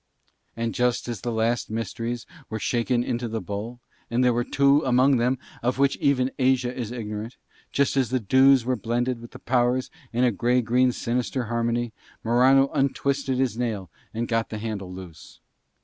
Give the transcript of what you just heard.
And just as the last few mysteries were shaken into the bowl, and there were two among them of which even Asia is ignorant, just as the dews were blended with the powers in a grey green sinister harmony, Morano untwisted his nail and got the handle loose.